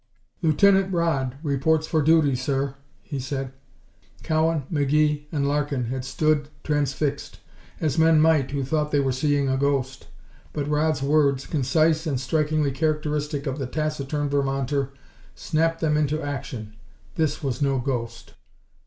"Lieutenant Rodd reports for duty, sir," he said. Cowan, McGee and Larkin had stood transfixed, as men might who thought they were seeing a ghost. But Rodd's words, concise and strikingly characteristic of the taciturn Vermonter, snapped them into action. This was no ghost!